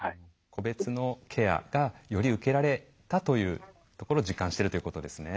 個別のケアがより受けられたというところを実感してるということですね。